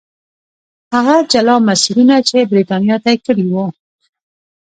هغه جلا مسیرونه چې برېټانیا طی کړي وو.